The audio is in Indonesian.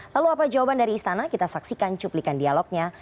lalu apa jawaban dari istana kita saksikan cuplikan dialognya